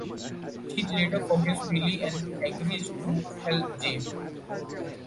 She later forgives Billy and agrees to help Jay.